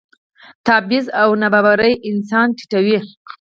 تبعیض او نابرابري انسان ټیټوي.